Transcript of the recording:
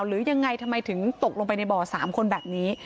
หรือยังไงทำไมถึงตกลงไปในบ่อ๓คนแบบนี้